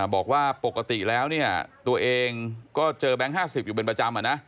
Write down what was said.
บอกว่าปกติแล้วเนี่ยตัวเองก็เจอแบงค์๕๐อยู่เป็นประจำ